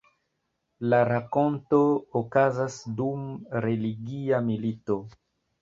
La rakonto okazas dum religia milito.